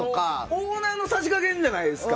オーナーのさじ加減じゃないですか。